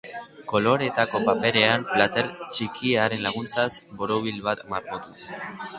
Koloretako paperean, plater txikiaren laguntzaz, borobil bat margotu.